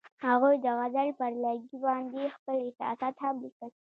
هغوی د غزل پر لرګي باندې خپل احساسات هم لیکل.